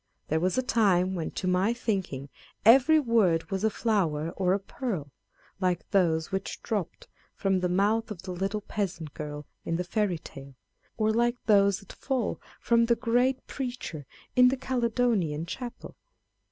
There was a time when to my think ing, every word was a flower or a pearl, like those which dropped from the mouth of the little peasant girl in the Fairy tale, or like those that fall from the great preacher in the Caledonian Chapel